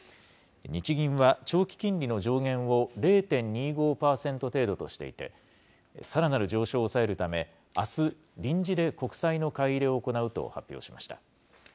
日銀は長期金利の上限を０．２５％程度としていて、さらなる上昇を抑えるため、あす、臨時で国債の買い入れを行うと発表しました。